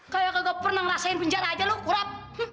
kagak kagak pernah ngerasain penjara aja lo kurap